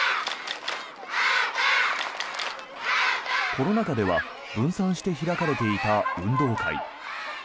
コロナ禍では分散して開かれていた運動会。